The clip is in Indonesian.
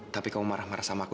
tapi kau marah marah sama aku